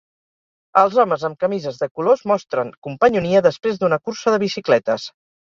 Els homes amb camises de colors mostren companyonia després d'una cursa de bicicletes.